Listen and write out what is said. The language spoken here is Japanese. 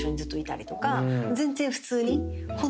全然普通に。